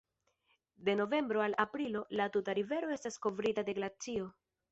De novembro al aprilo la tuta rivero estas kovrita de glacio.